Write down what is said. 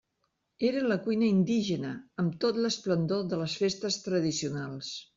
Era la cuina indígena, amb tota l'esplendor de les festes tradicionals.